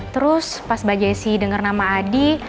terus pas mbak jessi denger nama adi